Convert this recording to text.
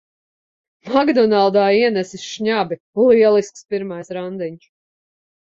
"Makdonaldā" ienesis šnabi! Lielisks pirmais randiņš.